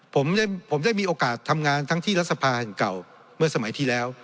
ผมได้มีโอกาสทำงานทั้งที่รัฐสภาแห่งเก่าเมื่อสมัยที่แล้ว